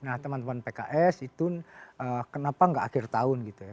nah teman teman pks itu kenapa nggak akhir tahun gitu ya